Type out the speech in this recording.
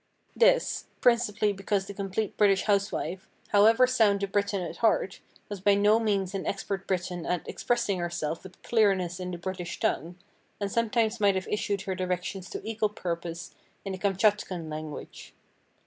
This, principally because the Complete British Housewife, however sound a Briton at heart, was by no means an expert Briton at expressing herself with clearness in the British tongue, and sometimes might have issued her directions to equal purpose in the Kamtchatkan language."